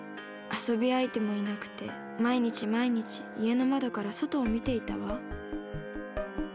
遊び相手もいなくて毎日毎日家の窓から外を見ていたわ。